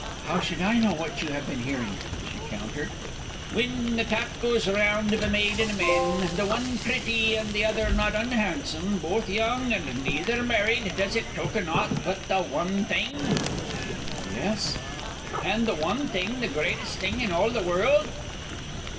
"How should I know what you have been hearing?" she countered. "Whin the talk goes round iv a maid an' a man, the one pretty an' the other not unhandsome, both young an' neither married, does it 'token aught but the one thing?" "Yes?" "An' the one thing the greatest thing in all the world."